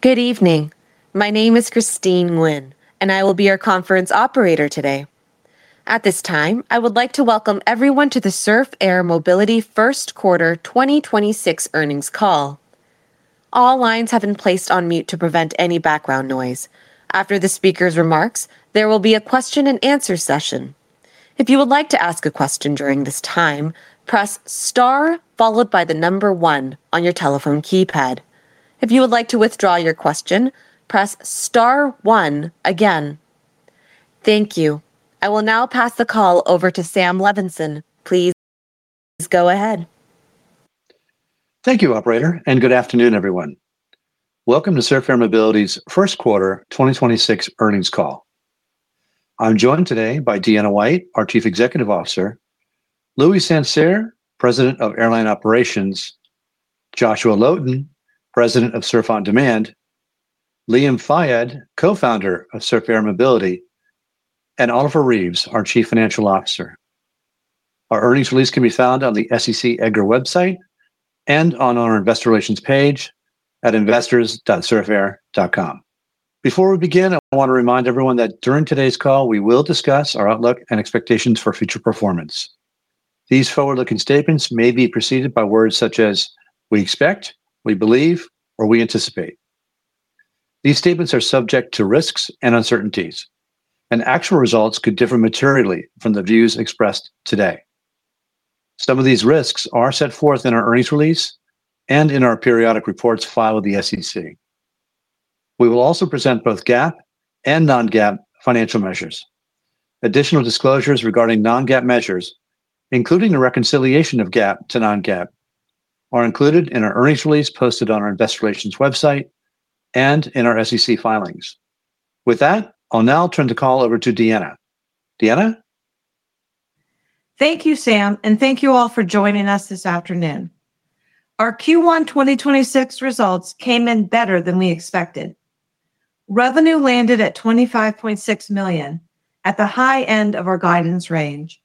Good evening. My name is Christine Lynn, and I will be your conference operator today. At this time, I would like to welcome everyone to the Surf Air Mobility first quarter 2026 earnings call. All lines have been placed on mute to prevent any background noise. After the speaker's remarks, there will be a question-and-answer session. If you would like to ask a question during this time, press star followed by the number one on your telephone keypad. If you would like to withdraw your question, press star one again. Thank you. I will now pass the call over to Sam Levenson. Please go ahead. Thank you, Operator. Good afternoon, everyone. Welcome to Surf Air Mobility's first quarter 2026 earnings call. I'm joined today by Deanna White, our Chief Executive Officer; Louis Saint-Cyr, President of Airline Operations; Joshua Loden, President of Surf On Demand; Liam Fayed, Co-Founder of Surf Air Mobility; and Oliver Reeves, our Chief Financial Officer. Our earnings release can be found on the SEC EDGAR website and on our Investor Relations page at investors.surfair.com. Before we begin, I want to remind everyone that during today's call, we will discuss our outlook and expectations for future performance. These forward-looking statements may be preceded by words such as we expect, we believe, or we anticipate. These statements are subject to risks and uncertainties. Actual results could differ materially from the views expressed today. Some of these risks are set forth in our earnings release and in our periodic reports filed with the SEC. We will also present both GAAP and non-GAAP financial measures. Additional disclosures regarding non-GAAP measures, including the reconciliation of GAAP to non-GAAP, are included in our earnings release posted on our Investor Relations website and in our SEC filings. With that, I'll now turn the call over to Deanna. Deanna? Thank you, Sam, and thank you all for joining us this afternoon. Our Q1 2026 results came in better than we expected. Revenue landed at $25.6 million at the high end of our guidance range,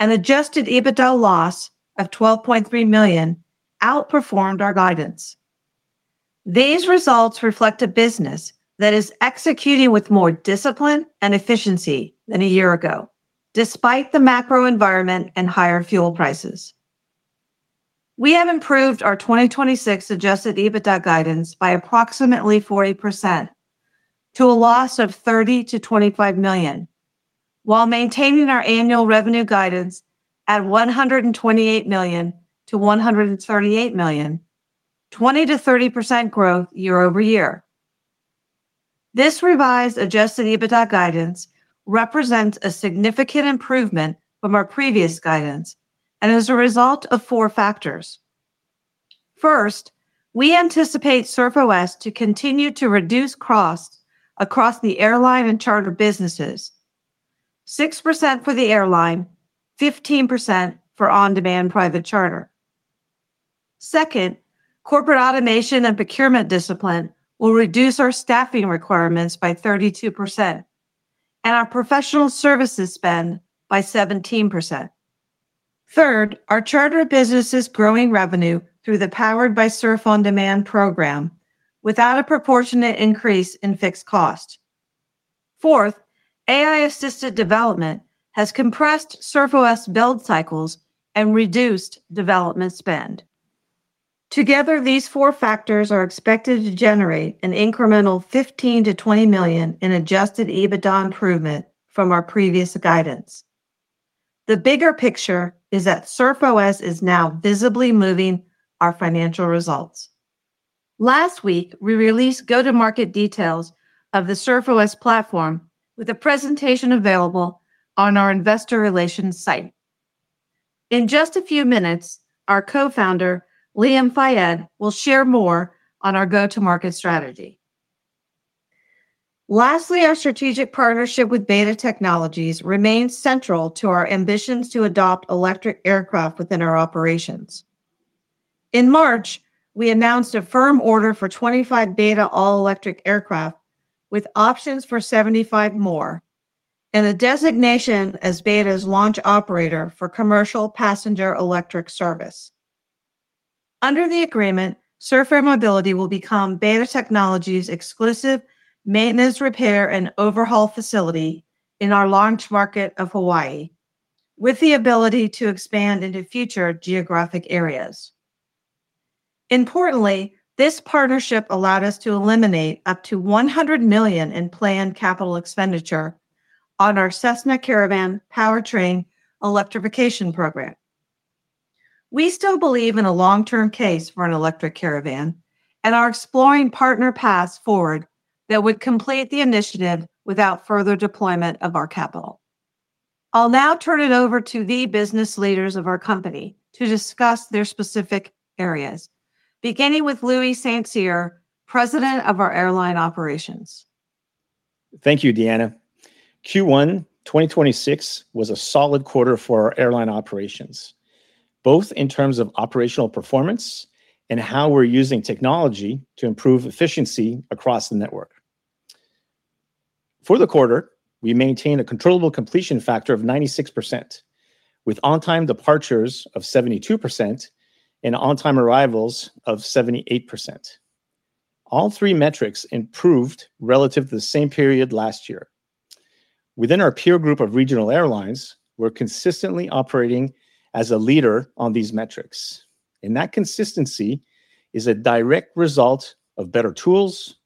an Adjusted EBITDA loss of $12.3 million outperformed our guidance. These results reflect a business that is executing with more discipline and efficiency than a year ago, despite the macro environment and higher fuel prices. We have improved our 2026 Adjusted EBITDA guidance by approximately 40% to a loss of $30 million-$25 million, while maintaining our annual revenue guidance at $128 million-$138 million, 20%-30% growth year-over-year. This revised Adjusted EBITDA guidance represents a significant improvement from our previous guidance and is a result of four factors. First, we anticipate SurfOS to continue to reduce costs across the airline and charter businesses, 6% for the airline, 15% for on-demand private charter. Second, corporate automation and procurement discipline will reduce our staffing requirements by 32% and our professional services spend by 17%. Third, our charter business is growing revenue through the Powered by Surf On Demand program without a proportionate increase in fixed cost. Fourth, AI-assisted development has compressed SurfOS build cycles and reduced development spend. Together, these four factors are expected to generate an incremental $15 million-$20 million in Adjusted EBITDA improvement from our previous guidance. The bigger picture is that SurfOS is now visibly moving our financial results. Last week, we released go-to-market details of the SurfOS platform with a presentation available on our Investor Relations site. In just a few minutes, our Co-Founder, Liam Fayed, will share more on our go-to-market strategy. Lastly, our strategic partnership with BETA Technologies remains central to our ambitions to adopt electric aircraft within our operations. In March, we announced a firm order for 25 BETA all-electric aircraft with options for 75 more and a designation as BETA's launch operator for commercial passenger electric service. Under the agreement, Surf Air Mobility will become BETA Technologies' exclusive maintenance, repair, and overhaul facility in our launch market of Hawaii with the ability to expand into future geographic areas. Importantly, this partnership allowed us to eliminate up to $100 million in planned capital expenditure on our Cessna Caravan powertrain electrification program. We still believe in a long-term case for an electric Caravan and are exploring partner paths forward that would complete the initiative without further deployment of our capital. I'll now turn it over to the business leaders of our company to discuss their specific areas, beginning with Louis Saint-Cyr, President of our airline operations. Thank you, Deanna. Q1 2026 was a solid quarter for our airline operations, both in terms of operational performance and how we're using technology to improve efficiency across the network. For the quarter, we maintained a controllable completion factor of 96%, with on-time departures of 72% and on-time arrivals of 78%. All three metrics improved relative to the same period last year. Within our peer group of regional airlines, we're consistently operating as a leader on these metrics. That consistency is a direct result of better tools,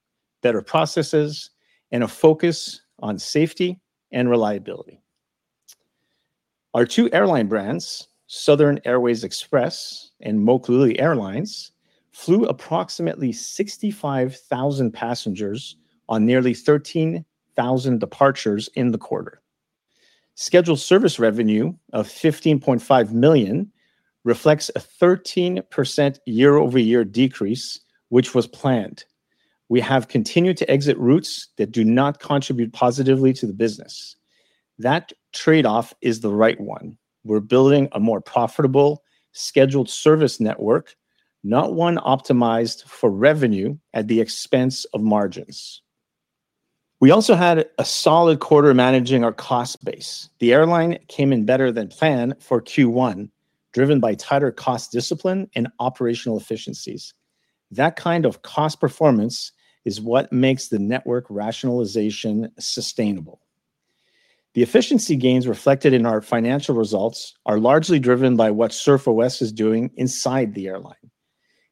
better processes, and a focus on safety and reliability. Our two airline brands, Southern Airways Express and Mokulele Airlines, flew approximately 65,000 passengers on nearly 13,000 departures in the quarter. Scheduled service revenue of $15.5 million reflects a 13% year-over-year decrease, which was planned. We have continued to exit routes that do not contribute positively to the business. That trade-off is the right one. We're building a more profitable scheduled service network, not one optimized for revenue at the expense of margins. We also had a solid quarter managing our cost base. The airline came in better than plan for Q1, driven by tighter cost discipline and operational efficiencies. That kind of cost performance is what makes the network rationalization sustainable. The efficiency gains reflected in our financial results are largely driven by what SurfOS is doing inside the airline.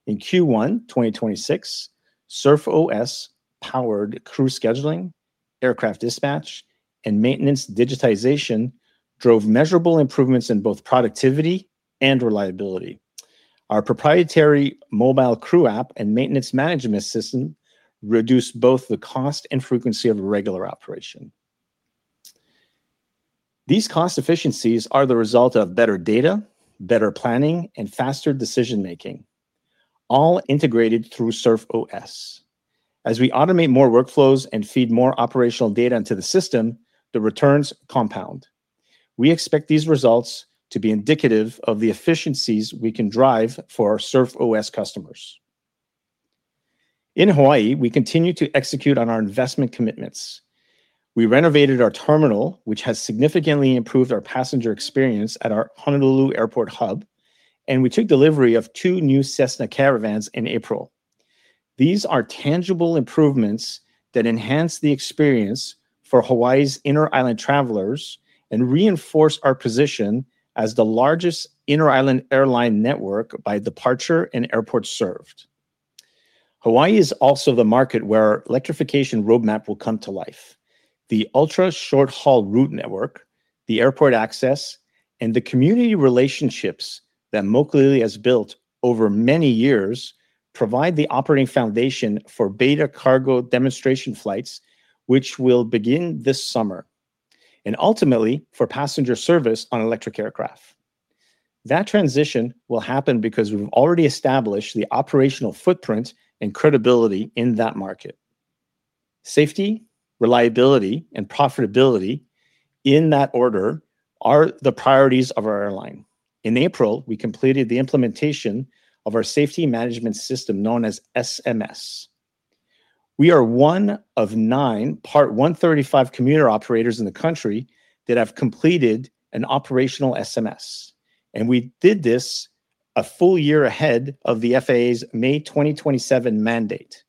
In Q1 2026, SurfOS powered crew scheduling, aircraft dispatch, and maintenance digitization drove measurable improvements in both productivity and reliability. Our proprietary mobile crew app and maintenance management system reduced both the cost and frequency of regular operation. These cost efficiencies are the result of better data, better planning, and faster decision making, all integrated through SurfOS. As we automate more workflows and feed more operational data into the system, the returns compound. We expect these results to be indicative of the efficiencies we can drive for our SurfOS customers. In Hawaii, we continue to execute on our investment commitments. We renovated our terminal, which has significantly improved our passenger experience at our Honolulu Airport hub, and we took delivery of two new Cessna Caravans in April. These are tangible improvements that enhance the experience for Hawaii's inter-island travelers and reinforce our position as the largest inter-island airline network by departure and airport served. Hawaii is also the market where our electrification roadmap will come to life. The ultra short-haul route network, the airport access, and the community relationships that Mokulele has built over many years provide the operating foundation for BETA cargo demonstration flights, which will begin this summer, and ultimately for passenger service on electric aircraft. That transition will happen because we've already established the operational footprint and credibility in that market. Safety, reliability, and profitability in that order are the priorities of our airline. In April, we completed the implementation of our safety management system known as SMS. We are one of nine Part 135 commuter operators in the country that have completed an operational SMS, and we did this a full year ahead of the FAA's May 2027 mandate.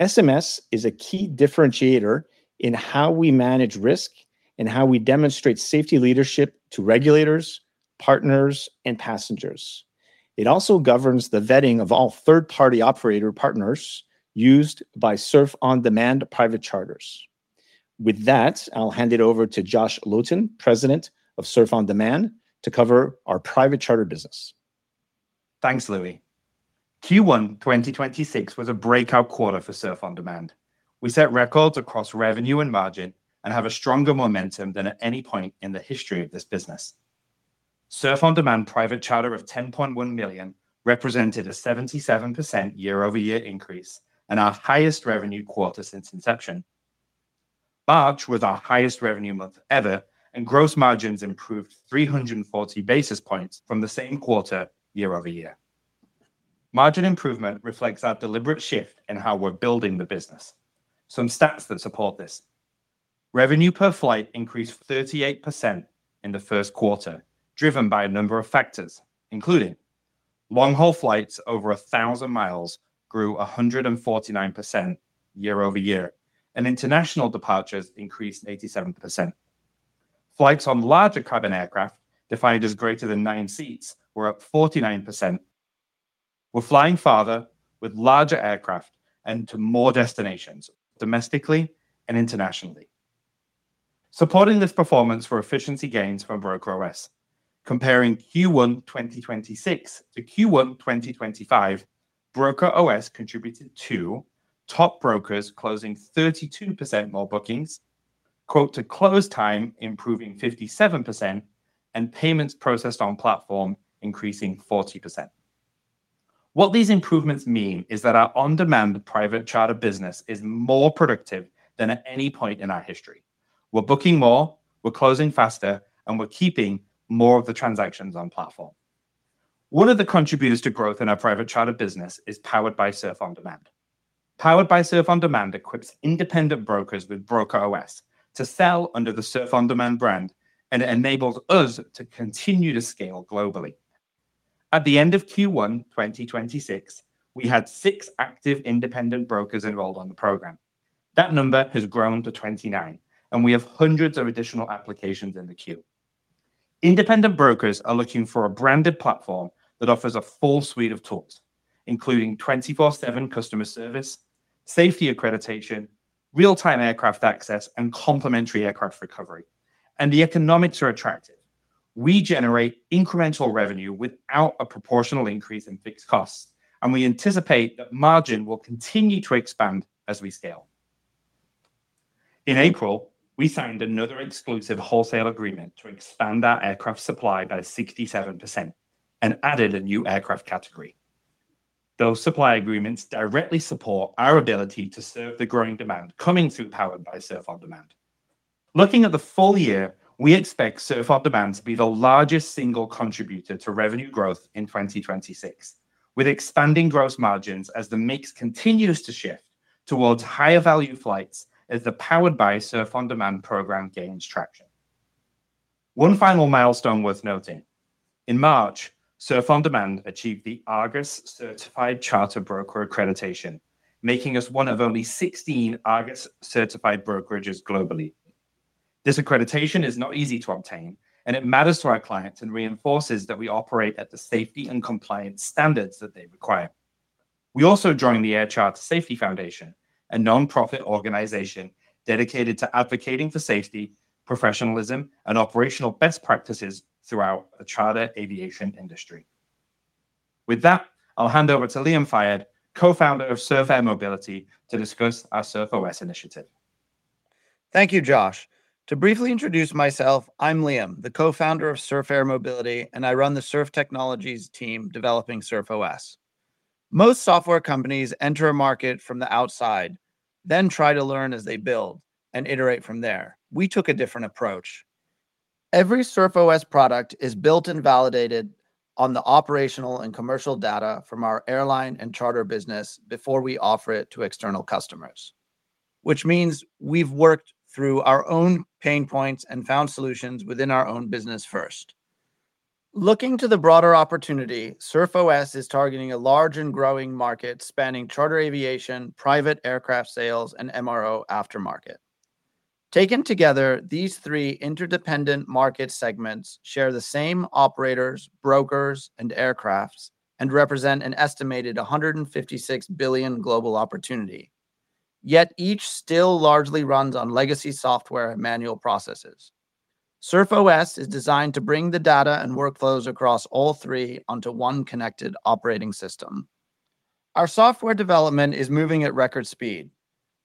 SMS is a key differentiator in how we manage risk and how we demonstrate safety leadership to regulators, partners, and passengers. It also governs the vetting of all third-party operator partners used by Surf On Demand private charters. With that, I'll hand it over to Joshua Loden, President of Surf On Demand, to cover our private charter business. Thanks, Louis. Q1 2026 was a breakout quarter for Surf On Demand. We set records across revenue and margin and have stronger momentum than at any point in the history of this business. Surf On Demand private charter of $10.1 million represented a 77% year-over-year increase and our highest revenue quarter since inception. March was our highest revenue month ever, gross margins improved 340 basis points from the same quarter year-over-year. Margin improvement reflects our deliberate shift in how we're building the business. Some stats that support this. Revenue per flight increased 38% in the first quarter, driven by a number of factors, including long-haul flights over 1,000 miles grew 149% year-over-year, international departures increased 87%. Flights on larger cabin aircraft, defined as greater than nine seats, were up 49%. We're flying farther with larger aircraft and to more destinations, domestically and internationally. Supporting this performance were efficiency gains from BrokerOS. Comparing Q1 2026 to Q1 2025, BrokerOS contributed to top brokers closing 32% more bookings, quote to close time improving 57%, and payments processed on platform increasing 40%. What these improvements mean is that our On Demand private charter business is more productive than at any point in our history. We're booking more, we're closing faster, and we're keeping more of the transactions on platform. One of the contributors to growth in our private charter business is Powered by Surf On Demand. Powered by Surf On Demand equips independent brokers with BrokerOS to sell under the Surf On Demand brand and enables us to continue to scale globally. At the end of Q1 2026, we had six active independent brokers enrolled on the program. That number has grown to 29, and we have hundreds of additional applications in the queue. Independent brokers are looking for a branded platform that offers a full suite of tools, including 24/7 customer service, safety accreditation, real-time aircraft access, and complimentary aircraft recovery. The economics are attractive. We generate incremental revenue without a proportional increase in fixed costs, and we anticipate that margin will continue to expand as we scale. In April, we signed another exclusive wholesale agreement to expand our aircraft supply by 67% and added a new aircraft category. Those supply agreements directly support our ability to serve the growing demand coming through Powered by Surf On Demand. Looking at the full year, we expect Surf On Demand to be the largest single contributor to revenue growth in 2026, with expanding gross margins as the mix continues to shift towards higher value flights as the Powered by Surf On Demand program gains traction. One final milestone worth noting. In March, Surf On Demand achieved the ARGUS Certified Charter Broker accreditation, making us one of only 16 ARGUS certified brokerages globally. This accreditation is not easy to obtain. It matters to our clients and reinforces that we operate at the safety and compliance standards that they require. We also joined the Air Charter Safety Foundation, a nonprofit organization dedicated to advocating for safety, professionalism, and operational best practices throughout the charter aviation industry. With that, I'll hand over to Liam Fayed, Co-Founder of Surf Air Mobility, to discuss our SurfOS initiative. Thank you, Josh. To briefly introduce myself, I'm Liam, the co-founder of Surf Air Mobility, and I run the Surf Air Technologies team developing SurfOS. Most software companies enter a market from the outside, then try to learn as they build and iterate from there. We took a different approach. Every SurfOS product is built and validated on the operational and commercial data from our airline and charter business before we offer it to external customers, which means we've worked through our own pain points and found solutions within our own business first. Looking to the broader opportunity, SurfOS is targeting a large and growing market spanning charter aviation, private aircraft sales, and MRO aftermarket. Taken together, these three interdependent market segments share the same operators, brokers, and aircrafts and represent an estimated $156 billion global opportunity. Yet each still largely runs on legacy software and manual processes. SurfOS is designed to bring the data and workflows across all three onto one connected operating system. Our software development is moving at record speed.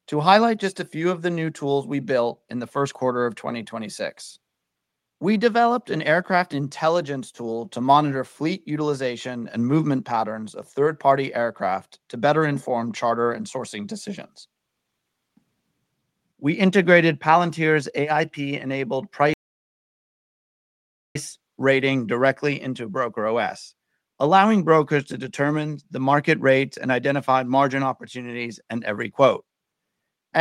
To highlight just a few of the new tools we built in the first quarter of 2026. We developed an aircraft intelligence tool to monitor fleet utilization and movement patterns of third-party aircraft to better inform charter and sourcing decisions. We integrated Palantir's AIP-enabled price rating directly into BrokerOS, allowing brokers to determine the market rates and identify margin opportunities in every quote.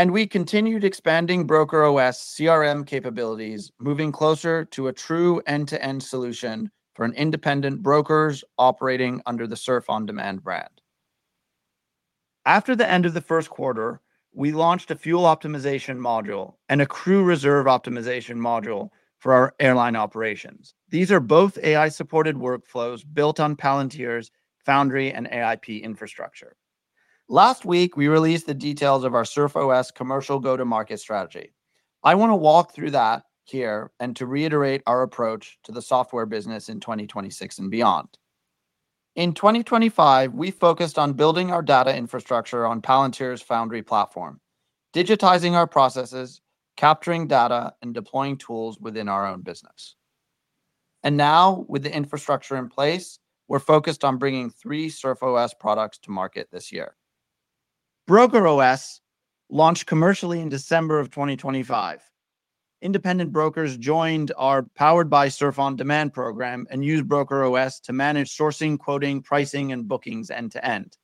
We continued expanding BrokerOS CRM capabilities, moving closer to a true end-to-end solution for an independent brokers operating under the Surf On Demand brand. After the end of the first quarter, we launched a fuel optimization module and a crew reserve optimization module for our airline operations. These are both AI-supported workflows built on Palantir's Foundry and AIP infrastructure. Last week, we released the details of our SurfOS commercial go-to-market strategy. I wanna walk through that here and to reiterate our approach to the software business in 2026 and beyond. In 2025, we focused on building our data infrastructure on Palantir's Foundry platform, digitizing our processes, capturing data, and deploying tools within our own business. Now, with the infrastructure in place, we're focused on bringing three SurfOS products to market this year. BrokerOS launched commercially in December of 2025. Independent brokers joined our Powered by Surf On Demand program and used BrokerOS to manage sourcing, quoting, pricing, and bookings end-to-end.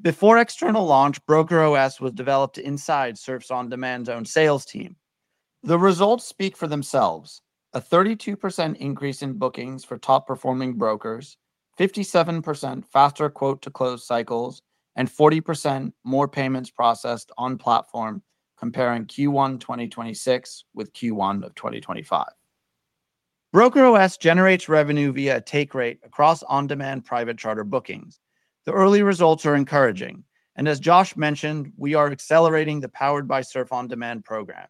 Before external launch, BrokerOS was developed inside Surf On Demand's own sales team. The results speak for themselves. A 32% increase in bookings for top performing brokers, 57% faster quote to close cycles, and 40% more payments processed on platform comparing Q1 2026 with Q1 2025. BrokerOS generates revenue via a take rate across on-demand private charter bookings. The early results are encouraging, and as Josh mentioned, we are accelerating the Powered by Surf On Demand program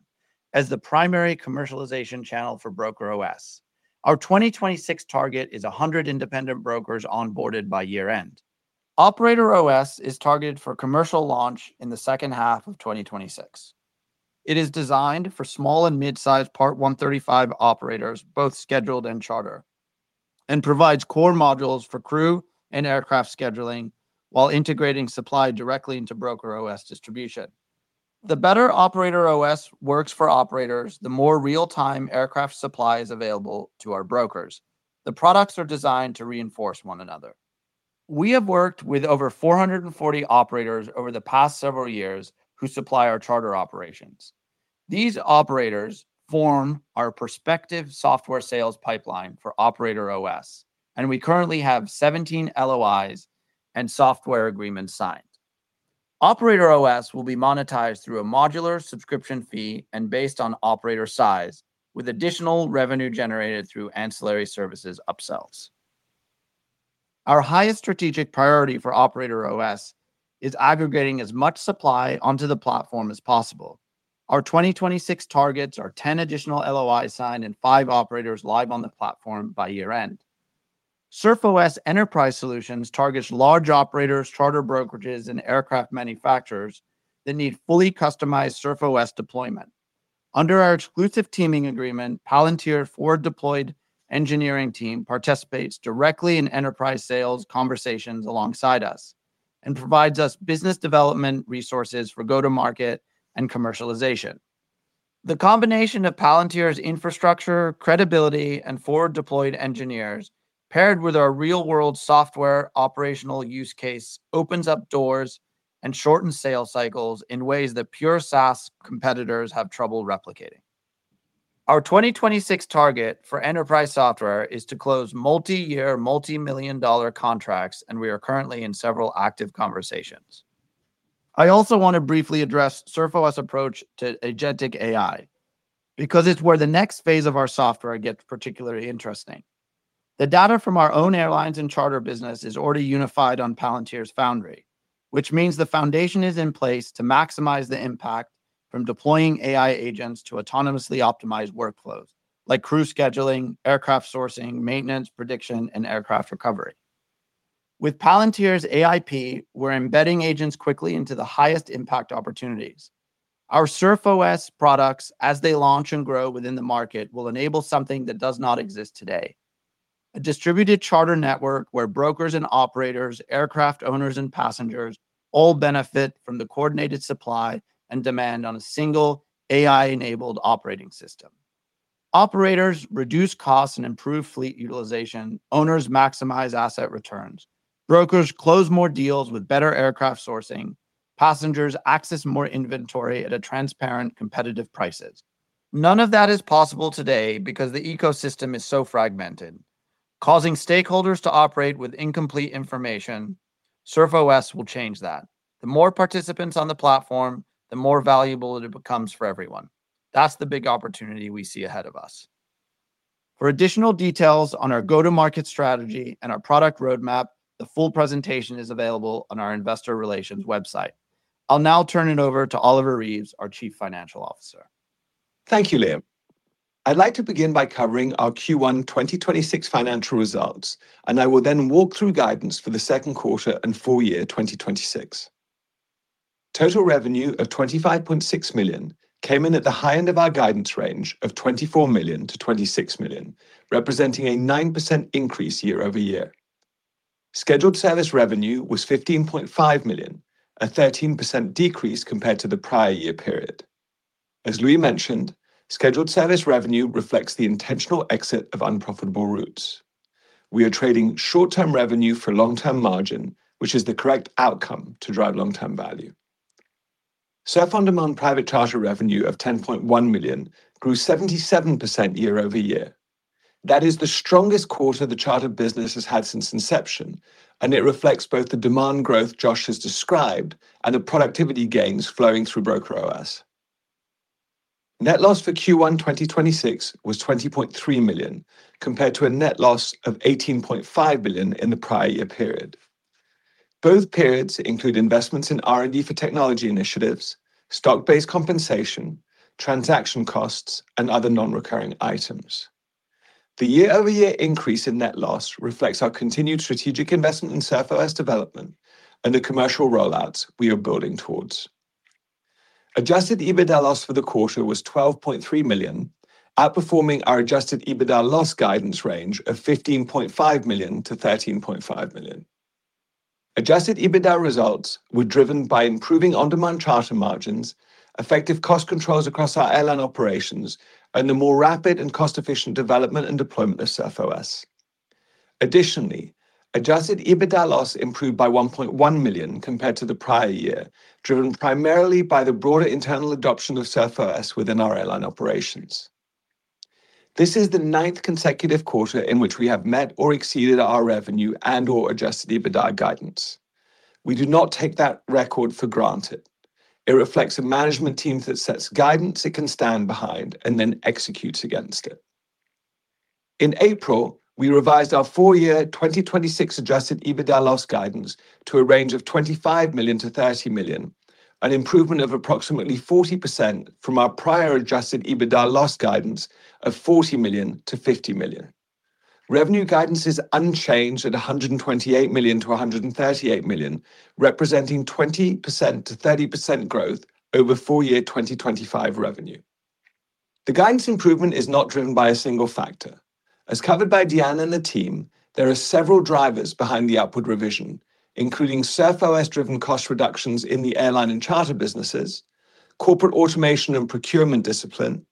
as the primary commercialization channel for BrokerOS. Our 2026 target is 100 independent brokers onboarded by year-end. OperatorOS is targeted for commercial launch in the second half of 2026. It is designed for small and mid-sized Part 135 operators, both scheduled and charter, and provides core modules for crew and aircraft scheduling while integrating supply directly into BrokerOS distribution. The better OperatorOS works for operators, the more real-time aircraft supply is available to our brokers. The products are designed to reinforce one another. We have worked with over 440 operators over the past several years who supply our charter operations. These operators form our prospective software sales pipeline for OperatorOS, and we currently have 17 LOIs and software agreements signed. OperatorOS will be monetized through a modular subscription fee and based on operator size, with additional revenue generated through ancillary services upsells. Our highest strategic priority for OperatorOS is aggregating as much supply onto the platform as possible. Our 2026 targets are 10 additional LOIs signed and five operators live on the platform by year-end. SurfOS Enterprise Solutions targets large operators, charter brokerages and aircraft manufacturers that need fully-customized SurfOS deployment. Under our exclusive teaming agreement, Palantir Forward-deployed engineering team participates directly in enterprise sales conversations alongside us and provides us business development resources for go-to-market and commercialization. The combination of Palantir's infrastructure, credibility, and forward-deployed engineers paired with our real-world software operational use case opens up doors and shortens sales cycles in ways that pure SaaS competitors have trouble replicating. Our 2026 target for enterprise software is to close multi-year, multi-million dollar contracts, and we are currently in several active conversations. I also want to briefly address SurfOS approach to agentic AI because it's where the next phase of our software gets particularly interesting. The data from our own airlines and charter business is already unified on Palantir's Foundry, which means the foundation is in place to maximize the impact from deploying AI agents to autonomously optimized workflows like crew scheduling, aircraft sourcing, maintenance prediction, and aircraft recovery. With Palantir's AIP, we're embedding agents quickly into the highest impact opportunities. Our SurfOS products, as they launch and grow within the market, will enable something that does not exist today. A distributed charter network where brokers and operators, aircraft owners and passengers all benefit from the coordinated supply and demand on a single AI-enabled operating system. Operators reduce costs and improve fleet utilization. Owners maximize asset returns. Brokers close more deals with better aircraft sourcing. Passengers access more inventory at a transparent competitive prices. None of that is possible today because the ecosystem is so fragmented, causing stakeholders to operate with incomplete information. SurfOS will change that. The more participants on the platform, the more valuable it becomes for everyone. That's the big opportunity we see ahead of us. For additional details on our go-to-market strategy and our product roadmap, the full presentation is available on our Investor Relations website. I'll now turn it over to Oliver Reeves, our Chief Financial Officer. Thank you, Liam. I'd like to begin by covering our Q1 2026 financial results, and I will then walk through guidance for the second quarter and full year 2026. Total revenue of $25.6 million came in at the high-end of our guidance range of $24 million-$26 million, representing a 9% increase year-over-year. Scheduled service revenue was $15.5 million, a 13% decrease compared to the prior year period. As Louis mentioned, scheduled service revenue reflects the intentional exit of unprofitable routes. We are trading short-term revenue for long-term margin, which is the correct outcome to drive long-term value. Surf On Demand private charter revenue of $10.1 million grew 77% year-over-year. That is the strongest quarter the charter business has had since inception, and it reflects both the demand growth Josh has described and the productivity gains flowing through BrokerOS. Net loss for Q1 2026 was $20.3 million, compared to a net loss of $18.5 million in the prior year period. Both periods include investments in R&D for technology initiatives, stock-based compensation, transaction costs, and other non-recurring items. The year-over-year increase in net loss reflects our continued strategic investment in SurfOS development and the commercial rollouts we are building towards. Adjusted EBITDA loss for the quarter was $12.3 million, outperforming our Adjusted EBITDA loss guidance range of $15.5 million-$13.5 million. Adjusted EBITDA results were driven by improving on-demand charter margins, effective cost controls across our airline operations, and the more rapid and cost-efficient development and deployment of SurfOS. Additionally, Adjusted EBITDA loss improved by $1.1 million compared to the prior year, driven primarily by the broader internal adoption of SurfOS within our airline operations. This is the ninth consecutive quarter in which we have met or exceeded our revenue and/or Adjusted EBITDA guidance. We do not take that record for granted. It reflects a management team that sets guidance it can stand behind and then executes against it. In April, we revised our full year 2026 Adjusted EBITDA loss guidance to a range of $25 million-$30 million, an improvement of approximately 40% from our prior Adjusted EBITDA loss guidance of $40 million-$50 million. Revenue guidance is unchanged at $128 million-$138 million, representing 20%-30% growth over full year 2025 revenue. The guidance improvement is not driven by a single factor. As covered by Deanna and the team, there are several drivers behind the upward revision, including SurfOS driven cost reductions in the airline and charter businesses, corporate automation and procurement discipline,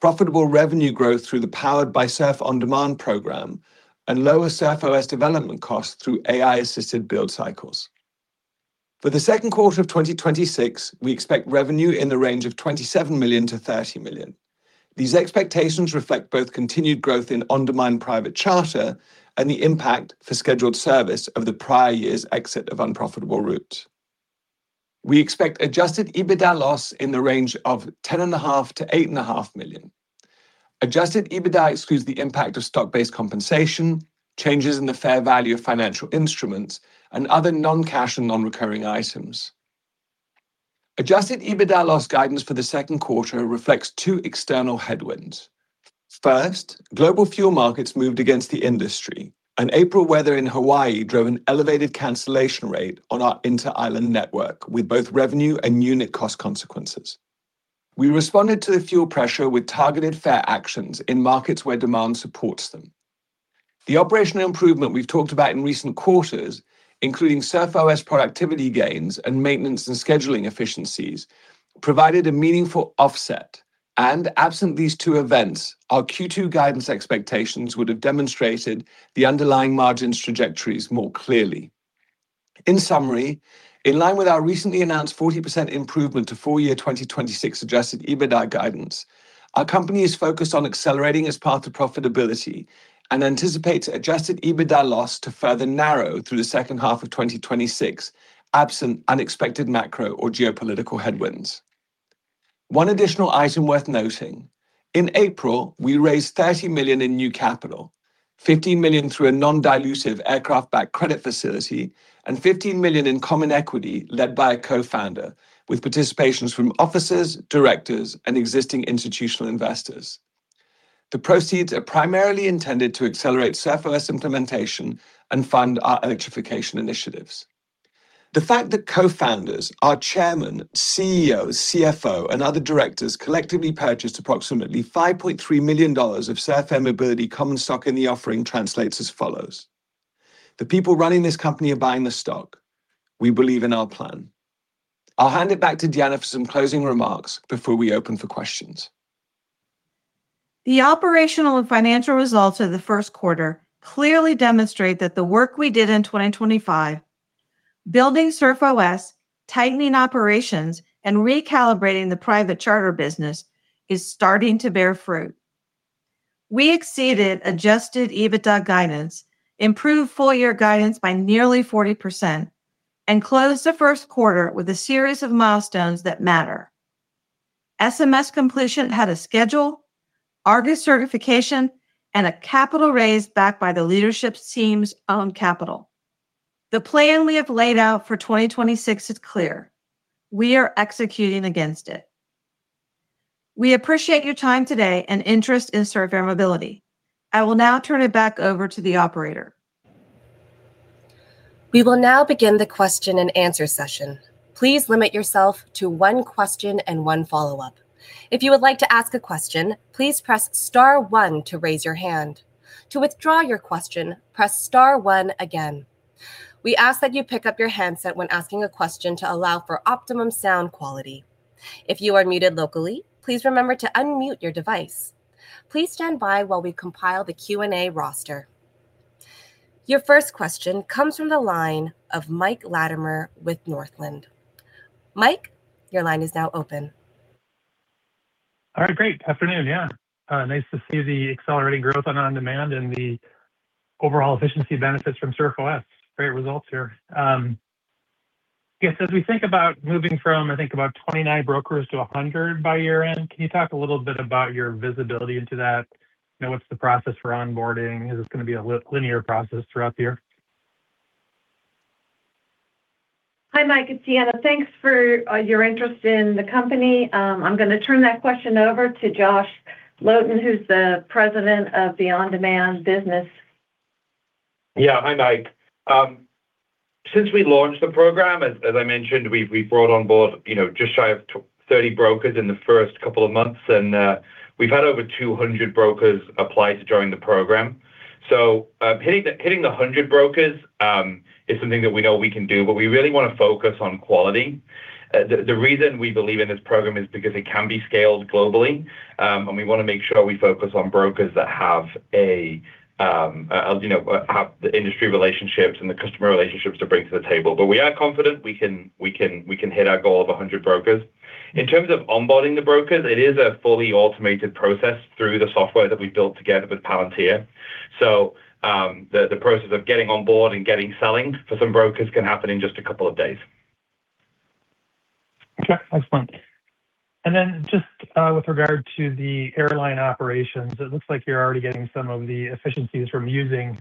profitable revenue growth through the Powered by Surf On Demand program, and lower SurfOS development costs through AI-assisted build cycles. For the second quarter of 2026, we expect revenue in the range of $27 million-$30 million. These expectations reflect both continued growth in On Demand private charter and the impact for scheduled service of the prior year's exit of unprofitable routes. We expect Adjusted EBITDA loss in the range of $10.5 million-$8.5 million. Adjusted EBITDA excludes the impact of stock-based compensation, changes in the fair value of financial instruments, and other non-cash and non-recurring items. Adjusted EBITDA loss guidance for the second quarter reflects two external headwinds. First, global fuel markets moved against the industry and April weather in Hawaii drove an elevated cancellation rate on our inter-island network with both revenue and unit cost consequences. We responded to the fuel pressure with targeted fare actions in markets where demand supports them. The operational improvement we've talked about in recent quarters, including SurfOS productivity gains and maintenance and scheduling efficiencies, provided a meaningful offset. Absent these two events, our Q2 guidance expectations would have demonstrated the underlying margins trajectories more clearly. In summary, in line with our recently announced 40% improvement to full year 2026 Adjusted EBITDA guidance, our company is focused on accelerating its path to profitability and anticipates Adjusted EBITDA loss to further narrow through the second half of 2026 absent unexpected macro or geopolitical headwinds. One additional item worth noting. In April, we raised $30 million in new capital, $15 million through a non-dilutive aircraft backed credit facility and $15 million in common equity led by a co-founder with participations from officers, directors, and existing institutional investors. The proceeds are primarily intended to accelerate SurfOS implementation and fund our electrification initiatives. The fact that co-founders, our chairman, CEO, CFO, and other directors collectively purchased approximately $5.3 million of Surf Air Mobility common stock in the offering translates as follows. The people running this company are buying the stock. We believe in our plan. I'll hand it back to Deanna for some closing remarks before we open for questions. The operational and financial results of the first quarter clearly demonstrate that the work we did in 2025, building SurfOS, tightening operations, and recalibrating the private charter business, is starting to bear fruit. We exceeded Adjusted EBITDA guidance, improved full-year guidance by nearly 40% and closed the first quarter with a series of milestones that matter. SMS completion ahead of schedule, ARGUS certification, and a capital raise backed by the leadership team's own capital. The plan we have laid out for 2026 is clear. We are executing against it. We appreciate your time today and interest in Surf Air Mobility. I will now turn it back over to the operator. We will now begin the question-and-answer session. Please limit yourself to one question and one follow-up. If you would like to ask a question, please press star one to raise your hand. To withdraw your question, press star one again. We ask that you pick up your handset when asking a question to allow for optimum sound quality. If you are muted locally, please remember to unmute your device. Please stand by while we compile the Q&A roster. Your first question comes from the line of Mike Latimore with Northland. Mike, your line is now open. All right, great. Afternoon, yeah. Nice to see the accelerating growth on On Demand and the overall efficiency benefits from SurfOS. Great results here. I guess as we think about moving from 29 brokers to 100 by year-end, can you talk a little bit about your visibility into that? You know, what's the process for onboarding? Is this gonna be a linear process throughout the year? Hi, Mike, it's Deanna. Thanks for your interest in the company. I'm gonna turn that question over to Josh Loden, who's the President of the On Demand business. Hi, Mike. Since we launched the program, as I mentioned, we've brought on board, you know, just shy of 30 brokers in the first couple of months and we've had over 200 brokers apply to join the program. Hitting the 100 brokers is something that we know we can do. We really wanna focus on quality. The reason we believe in this program is because it can be scaled globally, and we wanna make sure we focus on brokers that have as, you know, have the industry relationships and the customer relationships to bring to the table. We are confident we can hit our goal of 100 brokers. In terms of onboarding the brokers, it is a fully-automated process through the software that we built together with Palantir. The process of getting on board and getting selling for some brokers can happen in just a couple of days. Okay. Excellent. Just with regard to the airline operations, it looks like you're already getting some of the efficiencies from using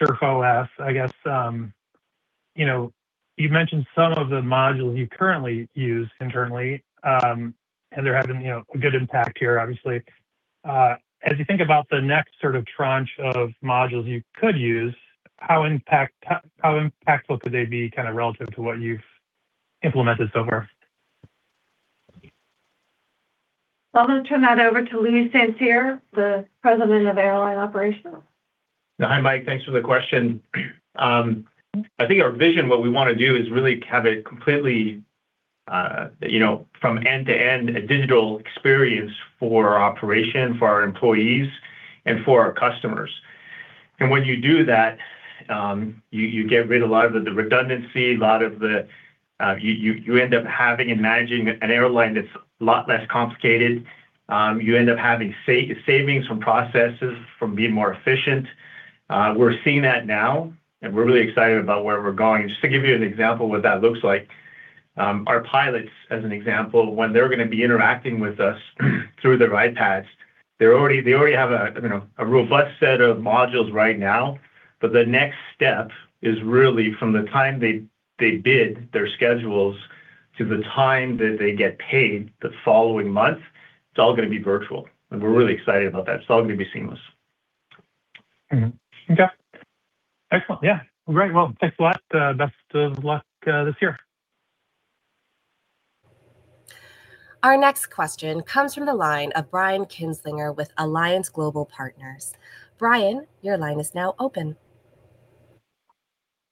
SurfOS. I guess, you know, you've mentioned some of the modules you currently use internally, and they're having, you know, a good impact here obviously. As you think about the next sort of tranche of modules you could use, how impactful could they be kind of relative to what you've implemented over? I'm gonna turn that over to Louis Saint-Cyr, the President of Airline Operations. Hi, Mike. Thanks for the question. I think our vision, what we wanna do is really have a completely, you know, from end-to-end a digital experience for our operation, for our employees, and for our customers. When you do that, you get rid a lot of the redundancy, a lot of the...You end up having and managing an airline that's a lot less complicated. You end up having savings from processes from being more efficient. We're seeing that now, and we're really excited about where we're going. Just to give you an example of what that looks like, our pilots, as an example, when they're gonna be interacting with us through their iPads, they already have a, you know, a robust set of modules right now, but the next step is really from the time they bid their schedules to the time that they get paid the following month, it's all gonna be virtual. We're really excited about that. It's all gonna be seamless. Okay. Excellent. Great. Thanks a lot. Best of luck this year. Our next question comes from the line of Brian Kinstlinger with Alliance Global Partners. Brian, your line is now open.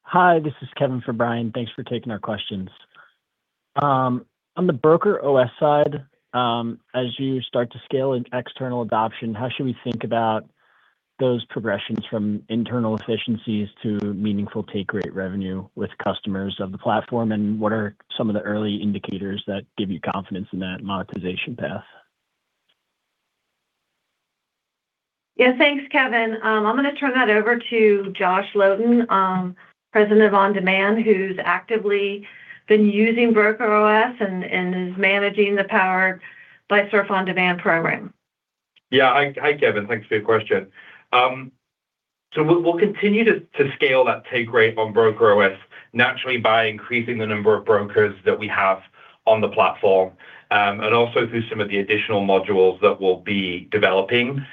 Hi, this is Kevin for Brian. Thanks for taking our questions. On the BrokerOS side, as you start to scale in external adoption, how should we think about those progressions from internal efficiencies to meaningful take rate revenue with customers of the platform, and what are some of the early indicators that give you confidence in that monetization path? Yeah. Thanks, Kevin. I'm gonna turn that over to Josh Loden, President of On Demand, who's actively been using BrokerOS and is managing the Powered by Surf On Demand program. Yeah. Hi, Kevin. Thanks for your question. We'll continue to scale that take rate on BrokerOS naturally by increasing the number of brokers that we have on the platform and also through some of the additional modules that we'll be developing.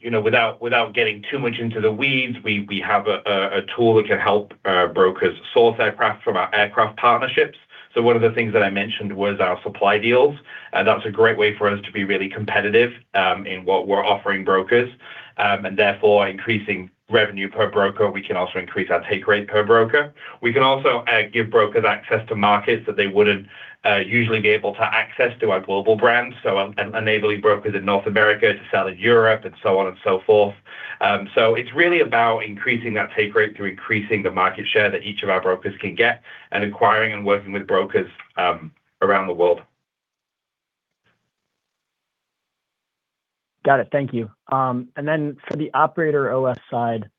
You know, without getting too much into the weeds, we have a tool that can help brokers source aircraft from our aircraft partnerships. One of the things that I mentioned was our supply deals, and that's a great way for us to be really competitive in what we're offering brokers and therefore increasing revenue per broker. We can also increase our take rate per broker. We can also give brokers access to markets that they wouldn't usually be able to access to our global brands, so enabling brokers in North America to sell in Europe and so on and so forth. It's really about increasing that take rate through increasing the market share that each of our brokers can get and acquiring and working with brokers around the world. Got it. Thank you. For the OperatorOS side,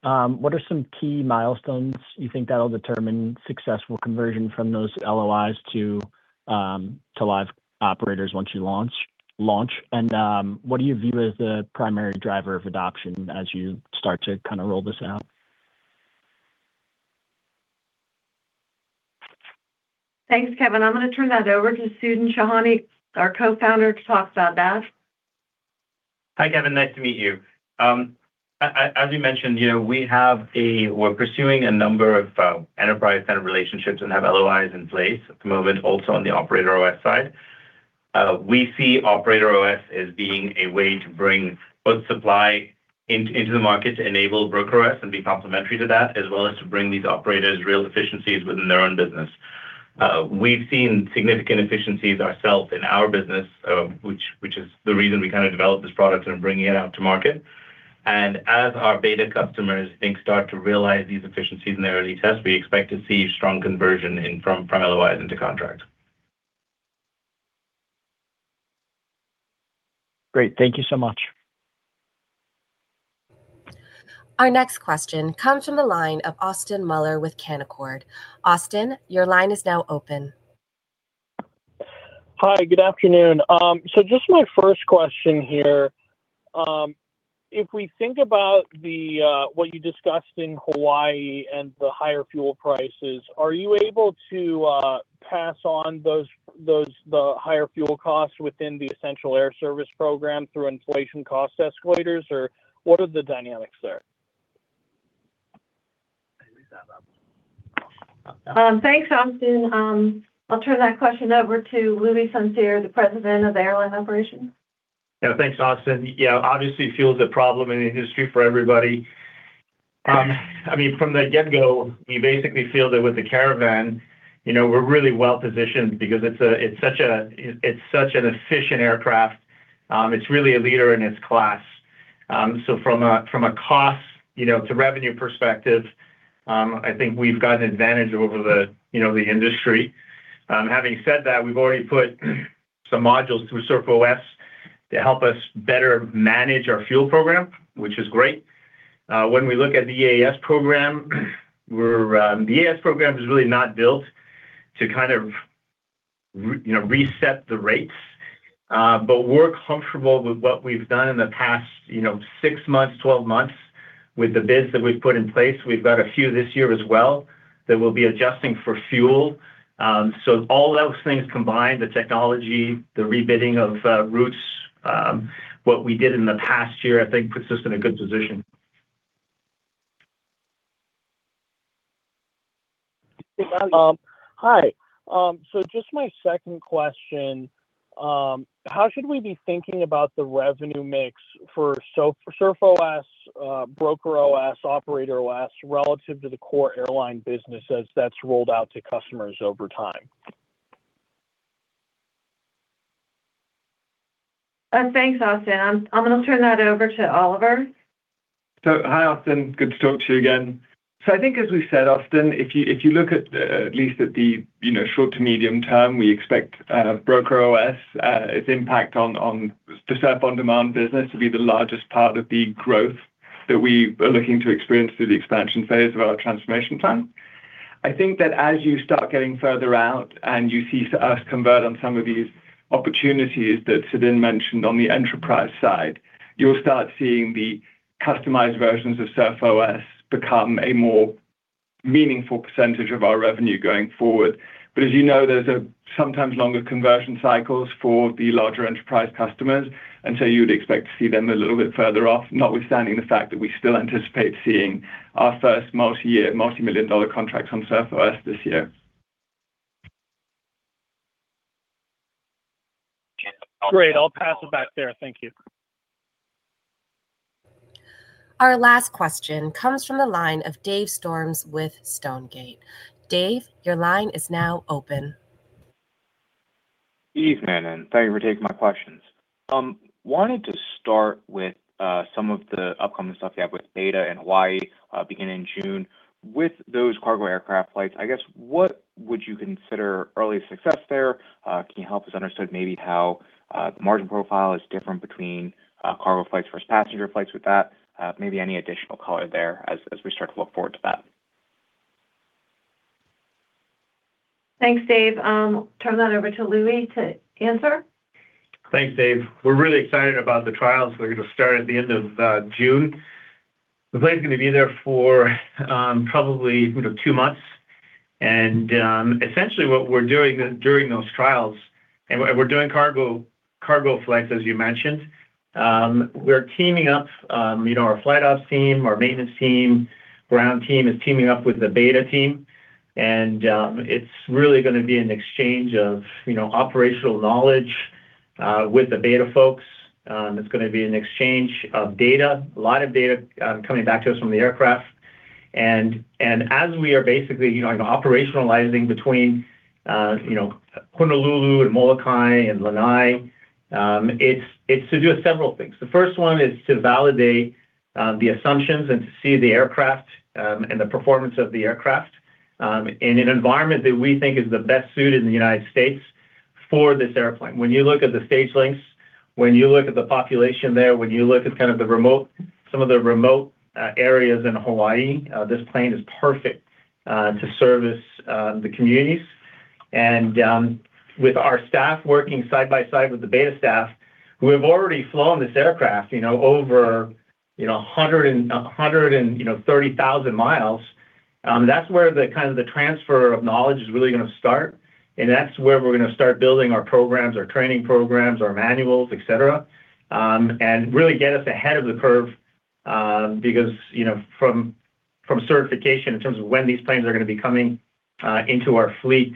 what are some key milestones you think that'll determine successful conversion from those LOIs to live operators once you launch? What do you view as the primary driver of adoption as you start to kind of roll this out? Thanks, Kevin. I'm gonna turn that over to Sudhin Shahani, our Co-Founder, to talk about that. Hi, Kevin. Nice to meet you. As you mentioned, you know, we're pursuing a number of enterprise kind of relationships and have LOIs in place at the moment also on the OperatorOS side. We see OperatorOS as being a way to bring both supply into the market to enable BrokerOS and be complementary to that, as well as to bring these operators real efficiencies within their own business. We've seen significant efficiencies ourselves in our business, which is the reason we kind of developed this product and bringing it out to market. As our BETA customers then start to realize these efficiencies in their early tests, we expect to see strong conversion from LOIs into contracts. Great. Thank you so much. Our next question comes from the line of Austin Moeller with Canaccord. Austin, your line is now open. Hi. Good afternoon. Just my first question here, if we think about what you discussed in Hawaii and the higher fuel prices, are you able to pass on the higher fuel costs within the Essential Air Service program through inflation cost escalators or what are the dynamics there? Thanks, Austin. I'll turn that question over to Louis Saint-Cyr, the President of Airline Operations. Thanks, Austin. Obviously fuel is a problem in the industry for everybody. I mean, from the get-go, you basically feel that with the Cessna Caravan, you know, we're really well-positioned because it's such an efficient aircraft. It's really a leader in its class. From a cost, you know, to revenue perspective, I think we've got an advantage over the, you know, the industry. Having said that, we've already put some modules through SurfOS to help us better manage our fuel program, which is great. When we look at the EAS program, the EAS program is really not built to kind of, you know, reset the rates. We're comfortable with what we've done in the past, you know, six months, 12 months with the bids that we've put in place. We've got a few this year as well that we'll be adjusting for fuel. All those things combined, the technology, the rebidding of routes, what we did in the past year I think puts us in a good position. Hi. Just my second question, how should we be thinking about the revenue mix for SurfOS, BrokerOS, OperatorOS relative to the core airline business as that's rolled out to customers over time? Thanks, Austin. I'm gonna turn that over to Oliver. Hi, Austin, good to talk to you again. I think as we said, Austin, if you look at least at the, you know, short to medium term, we expect BrokerOS, its impact on the Surf On Demand business to be the largest part of the growth that we are looking to experience through the expansion phase of our transformation plan. I think that as you start getting further out and you see us convert on some of these opportunities that Sudhin mentioned on the enterprise side, you'll start seeing the customized versions of SurfOS become a more meaningful percentage of our revenue going forward. As you know, there's a sometimes longer conversion cycles for the larger enterprise customers, you would expect to see them a little bit further off, notwithstanding the fact that we still anticipate seeing our first multi-year, multi-million dollar contracts on SurfOS this year. Great. I'll pass it back there. Thank you. Our last question comes from the line of Dave Storms with Stonegate. Dave, your line is now open. Evening, thank you for taking my questions. Wanted to start with some of the upcoming stuff you have with BETA and Hawaii, beginning June. With those cargo aircraft flights, I guess, what would you consider early success there? Can you help us understand maybe how the margin profile is different between cargo flights versus passenger flights with that? Maybe any additional color there as we start to look forward to that. Thanks, Dave. Turn that over to Louis to answer. Thanks, Dave. We're really excited about the trials. They're gonna start at the end of June. The plane's gonna be there for, you know, two months. Essentially what we're doing during those trials, we're doing cargo flights as you mentioned. We're teaming up, you know, our flight ops team, our maintenance team, ground team is teaming up with the BETA team, it's really gonna be an exchange of, you know, operational knowledge with the BETA folks. It's gonna be an exchange of data, a lot of data, coming back to us from the aircraft. As we are basically, you know, operationalizing between, you know, Honolulu and Molokai and Lanai, it's to do with several things. The first one is to validate the assumptions and to see the aircraft and the performance of the aircraft in an environment that we think is the best suit in the United States for this airplane. When you look at the stage lengths, when you look at the population there, when you look at kind of the remote, some of the remote areas in Hawaii, this plane is perfect to service the communities. With our staff working side by side with the BETA staff who have already flown this aircraft, you know, over, you know, 130,000 miles, that's where the kind of the transfer of knowledge is really gonna start. That's where we're gonna start building our programs, our training programs, our manuals, et cetera. Really get us ahead of the curve, because from certification in terms of when these planes are gonna be coming into our fleet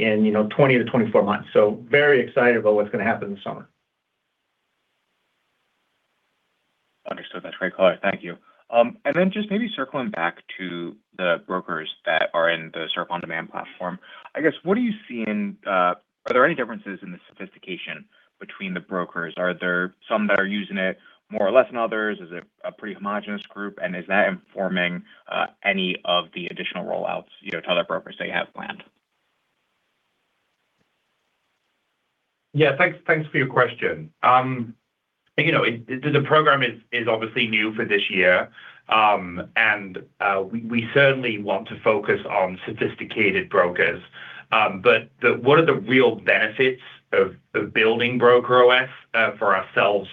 in 20 to 24 months. Very excited about what's gonna happen this summer. Understood. That's great color. Thank you. Then just maybe circling back to the brokers that are in the Surf On Demand platform. I guess, what are you seeing, are there any differences in the sophistication between the brokers? Are there some that are using it more or less than others? Is it a pretty homogenous group? Is that informing, any of the additional rollouts, you know, to other brokers that you have planned? Thanks, thanks for your question. You know, the program is obviously new for this year. We certainly want to focus on sophisticated brokers. One of the real benefits of building BrokerOS for ourselves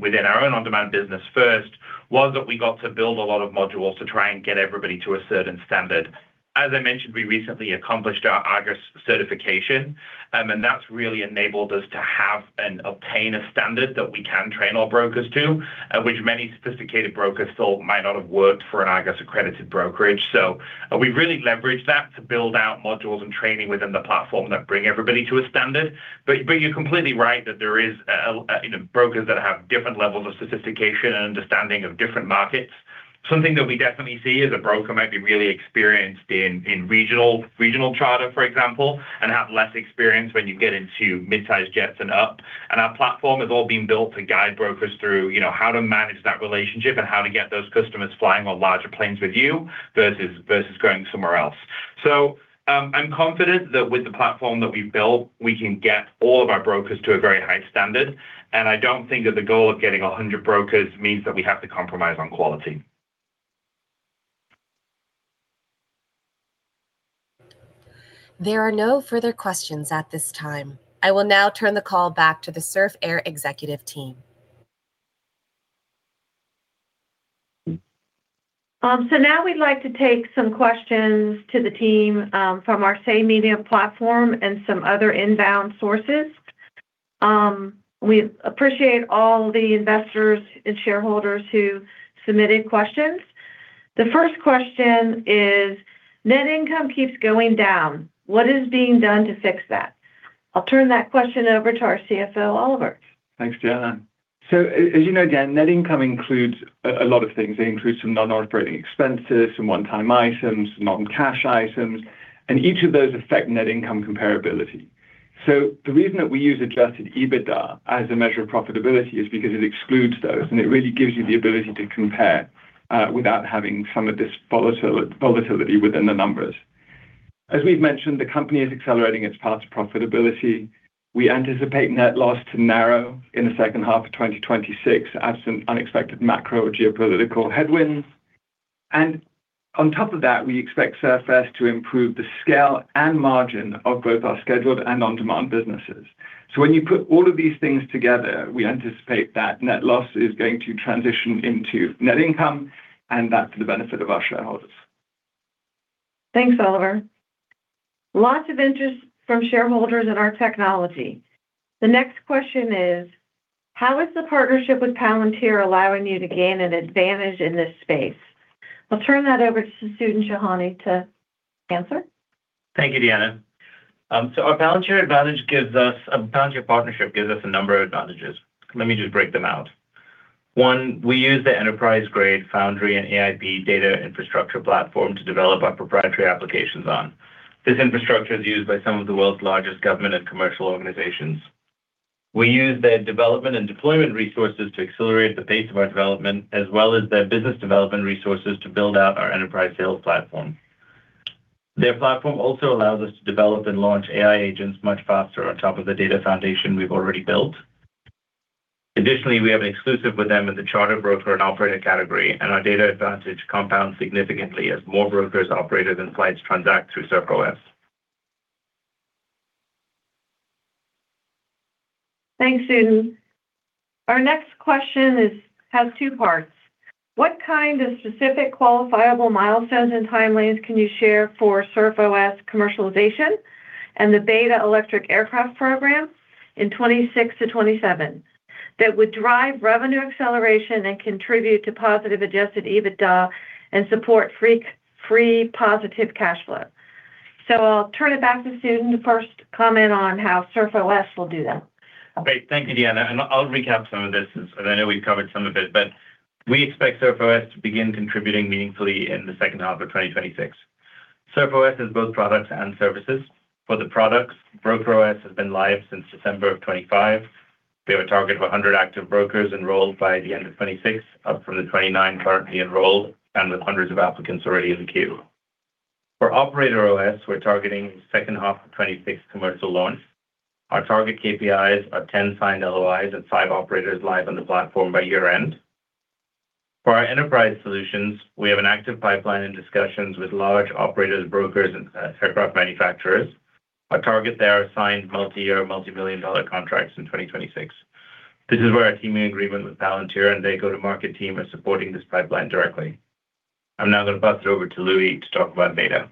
within our own On Demand business first, was that we got to build a lot of modules to try and get everybody to a certain standard. As I mentioned, we recently accomplished our ARGUS certification, that's really enabled us to have and obtain a standard that we can train our brokers to, which many sophisticated brokers thought might not have worked for an ARGUS-accredited brokerage. We've really leveraged that to build out modules and training within the platform that bring everybody to a standard. You're completely right that there is, you know, brokers that have different levels of sophistication and understanding of different markets. Something that we definitely see is a broker might be really experienced in regional charter, for example, and have less experience when you get into mid-sized jets and up. Our platform has all been built to guide brokers through, you know, how to manage that relationship and how to get those customers flying on larger planes with you versus going somewhere else. I'm confident that with the platform that we've built, we can get all of our brokers to a very high standard. I don't think that the goal of getting 100 brokers means that we have to compromise on quality. There are no further questions at this time. I will now turn the call back to the Surf Air executive team. Now, we'd like to take some questions to the team from our Say platform and some other inbound sources. We appreciate all the investors and shareholders who submitted questions. The first question is, net income keeps going down. What is being done to fix that? I'll turn that question over to our CFO, Oliver. Thanks, Deanna. As you know, Deanna, net income includes a lot of things. They include some non-operating expenses, some one-time items, non-cash items, and each of those affect net income comparability. The reason that we use Adjusted EBITDA as a measure of profitability is because it excludes those, and it really gives you the ability to compare without having some of this volatility within the numbers. As we've mentioned, the company is accelerating its path to profitability. We anticipate net loss to narrow in the second half of 2026 absent unexpected macro or geopolitical headwinds. On top of that, we expect Surf Air to improve the scale and margin of both our scheduled and on-demand businesses. When you put all of these things together, we anticipate that net loss is going to transition into net income, and that's the benefit of our shareholders. Thanks, Oliver. Lots of interest from shareholders in our technology. The next question is, how is the partnership with Palantir allowing you to gain an advantage in this space? I'll turn that over to Sudhin Shahani to answer. Thank you, Deanna. Our Palantir partnership gives us a number of advantages. Let me just break them out. One, we use the enterprise-grade Foundry and AIP data infrastructure platform to develop our proprietary applications on. This infrastructure is used by some of the world's largest government and commercial organizations. We use their development and deployment resources to accelerate the pace of our development, as well as their business development resources to build out our enterprise sales platform. Their platform also allows us to develop and launch AI agents much faster on top of the data foundation we've already built. Additionally, we have an exclusive with them in the charter broker and operator category. Our data advantage compounds significantly as more brokers, operators, and flights transact through SurfOS. Thanks, Sudhin. Our next question has two parts. What kind of specific qualifiable milestones and timelines can you share for SurfOS commercialization and the BETA electric aircraft program in 2026-2027 that would drive revenue acceleration and contribute to positive Adjusted EBITDA and support free positive cash flow? I'll turn it back to Sudhin to first comment on how SurfOS will do that. Great. Thank you, Deanna. I'll recap some of this since I know we've covered some of it. We expect SurfOS to begin contributing meaningfully in the second half of 2026. SurfOS is both products and services. For the products, BrokerOS has been live since September of 2025. We have a target of 100 active brokers enrolled by the end of 2026, up from the 29 currently enrolled, and with hundreds of applicants already in the queue. For OperatorOS, we're targeting second half of 2026 commercial launch. Our target KPIs are 10 signed LOIs and five operators live on the platform by year-end. For our enterprise solutions, we have an active pipeline in discussions with large operators, brokers, and aircraft manufacturers. Our target there are signed multi-year, multi-million dollar contracts in 2026. This is where our teaming agreement with Palantir and their go-to-market team are supporting this pipeline directly. I'm now going to pass it over to Louis to talk about BETA.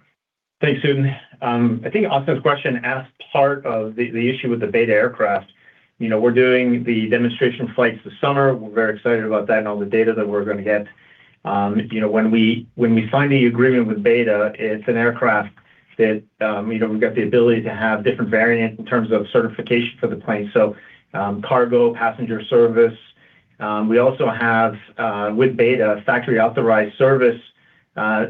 Thanks, Sudhin. I think also the question asked part of the issue with the BETA aircraft. You know, we're doing the demonstration flights this summer. We're very excited about that and all the data that we're going to get. You know, when we, when we signed the agreement with BETA, it's an aircraft that, you know, we've got the ability to have different variants in terms of certification for the plane, cargo, passenger service. We also have, with BETA, a factory-authorized service,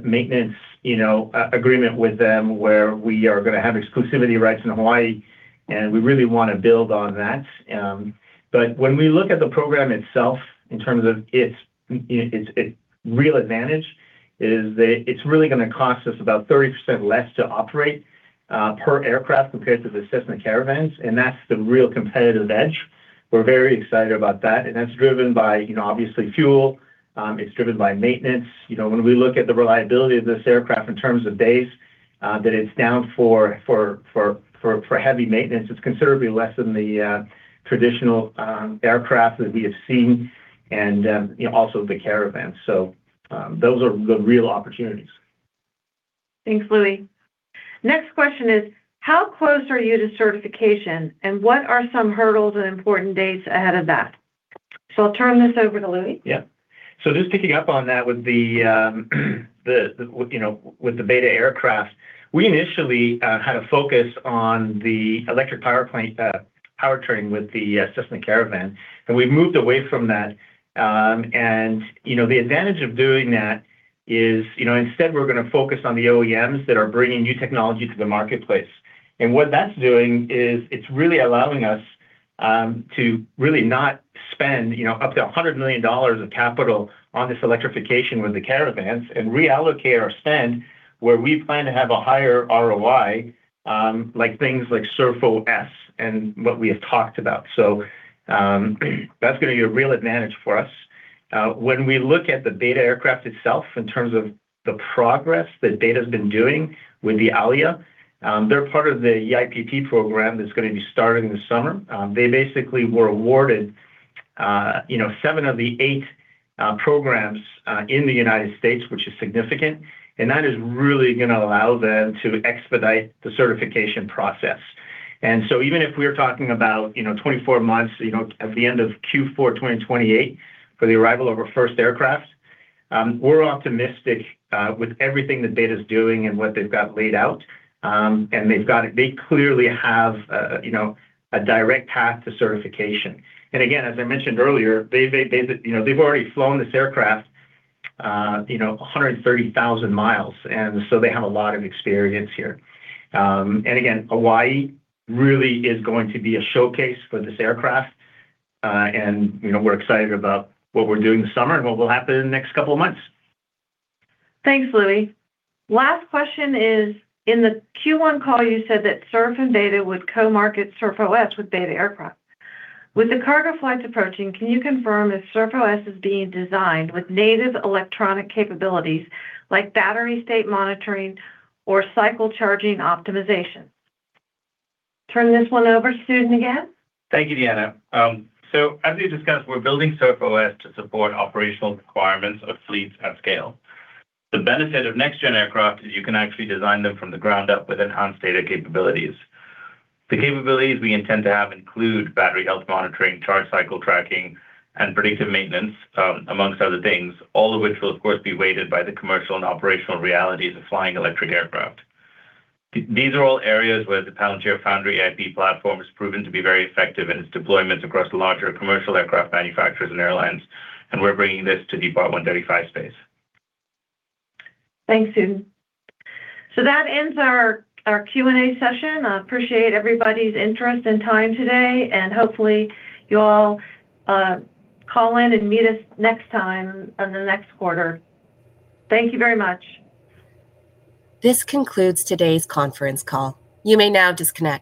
maintenance, you know, agreement with them where we are gonna have exclusivity rights in Hawaii, we really wanna build on that. When we look at the program itself in terms of its, you know, its real advantage is that it's really gonna cost us about 30% less to operate per aircraft compared to the Cessna Caravan, and that's the real competitive edge. We're very excited about that, and that's driven by, you know, obviously fuel. It's driven by maintenance. You know, when we look at the reliability of this aircraft in terms of days that it's down for heavy maintenance, it's considerably less than the traditional aircraft that we have seen and, you know, also the Caravans. Those are the real opportunities. Thanks, Louis. Next question is, how close are you to certification, and what are some hurdles and important dates ahead of that? I'll turn this over to Louis. Yeah. Just picking up on that with the, you know, with the BETA aircraft, we initially had a focus on the electric power plant, powertrain with the Cessna Caravan, and we've moved away from that. You know, the advantage of doing that is, you know, instead we're gonna focus on the OEMs that are bringing new technology to the marketplace. What that's doing is it's really allowing us to really not spend, you know, up to a hundred million of capital on this electrification with the Caravans and reallocate our spend where we plan to have a higher ROI, like things like SurfOS and what we have talked about. That's gonna be a real advantage for us. When we look at the BETA aircraft itself in terms of the progress that BETA's been doing with the ALIA, they're part of the eIPP program that's gonna be starting this summer. They basically were awarded, you know, seven of the eight programs in the U.S., which is significant, and that is really gonna allow them to expedite the certification process. Even if we're talking about, you know, 24 months, you know, at the end of Q4 2028 for the arrival of our first aircraft, we're optimistic with everything that BETA's doing and what they've got laid out. They've got it. They clearly have, you know, a direct path to certification. Again, as I mentioned earlier, they, you know, they've already flown this aircraft, you know, 130,000 miles, and so they have a lot of experience here. Again, Hawaii really is going to be a showcase for this aircraft. You know, we're excited about what we're doing this summer and what will happen in the next couple of months. Thanks, Louis. Last question is, in the Q1 call you said that Surf and BETA would co-market SurfOS with BETA aircraft. With the cargo flights approaching, can you confirm if SurfOS is being designed with native electronic capabilities like battery state monitoring or cycle charging optimization? Turn this one over to Sudhin again. Thank you, Deanna. As we discussed, we're building SurfOS to support operational requirements of fleets at scale. The benefit of next-gen aircraft is you can actually design them from the ground up with enhanced data capabilities. The capabilities we intend to have include battery health monitoring, charge cycle tracking, and predictive maintenance, amongst other things, all of which will of course, be weighted by the commercial and operational realities of flying electric aircraft. These are all areas where the Palantir Foundry AIP platform has proven to be very effective in its deployments across larger commercial aircraft manufacturers and airlines, and we're bringing this to Part 135 space. Thanks, Sudhin. That ends our Q&A session. I appreciate everybody's interest and time today, and hopefully you all call in and meet us next time on the next quarter. Thank you very much. This concludes today's conference call. You may now disconnect.